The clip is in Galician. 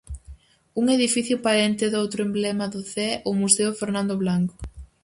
Un edificio parente doutro emblema de Cee, o museo Fernando Blanco.